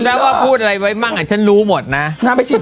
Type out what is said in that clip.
แล้วว่าพูดอะไรไว้มั่งอ่ะฉันรู้หมดน่ะนักไปฉีด